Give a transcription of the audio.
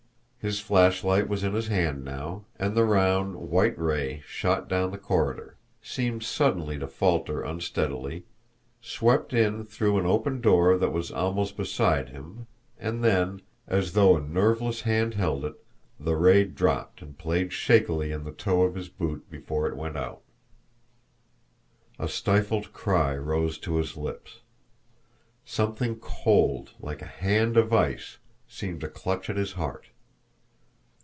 His flashlight was in his hand now, and the round, white ray shot down the corridor seemed suddenly to falter unsteadily swept in through an open door that was almost beside him and then, as though a nerveless hand held it, the ray dropped and played shakily on the toe of his boot before it went out. A stifled cry rose to his lips. Something cold, like a hand of ice, seemed to clutch at his heart.